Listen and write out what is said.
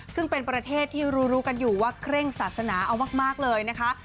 ซึ่งเป็นประเทศที่รู้กันอยู่ว่าเคร่งศาสนาเอามากเลยนะคะ